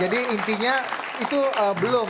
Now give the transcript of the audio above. jadi intinya itu belum